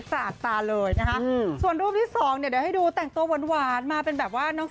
สาดตาเลยนะคะส่วนรูปที่สองเนี่ยเดี๋ยวให้ดูแต่งตัวหวานหวานมาเป็นแบบว่าน้อง